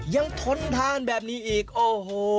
ทนทานแบบนี้อีกโอ้โห